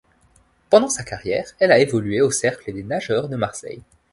Pendant sa carrière, elle a évolué au Cercle des nageurs de Marseille.